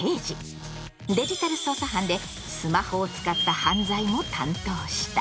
デジタル捜査班でスマホを使った犯罪も担当した。